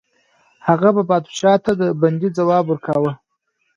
هغه به پادشاه ته د بندي ځواب ورکاوه.